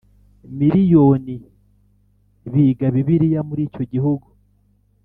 miriyoni biga Bibiliya muri icyo gihugu